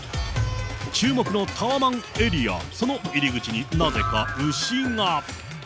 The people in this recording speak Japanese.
注目のタワマンエリア、その入り口に、なぜか牛が。